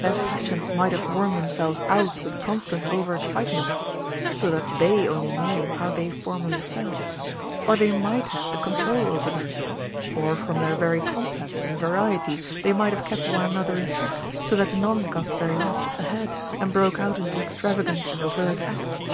Their passions might have worn themselves out with con stant over excitement, so that they only knew how they formerly felt ; or they might have the control over them ; or from their very compass and variety they might have kept one another in check, so that none got very much a head and broke out into extravagant and overt acts.